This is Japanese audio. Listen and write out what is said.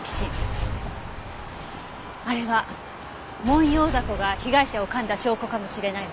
あれはモンヨウダコが被害者を噛んだ証拠かもしれないわ。